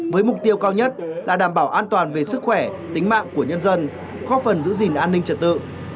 với mục tiêu cao nhất là đảm bảo an toàn về sức khỏe tính mạng của nhân dân góp phần giữ gìn an ninh trật tự